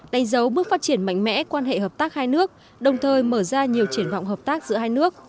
đánh dấu bước phát triển mạnh mẽ quan hệ hợp tác hai nước đồng thời mở ra nhiều triển vọng hợp tác giữa hai nước